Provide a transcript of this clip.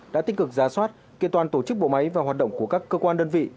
đã tích cực ra soát kiện toàn tổ chức bộ máy và hoạt động của các cơ quan đơn vị